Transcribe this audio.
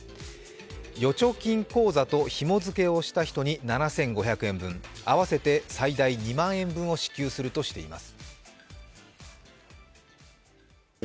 預貯金口座とひもづけをした人に７５００円分、合わせて最大２万円分を支給するとしています。